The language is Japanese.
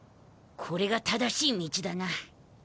これが正しい道だな。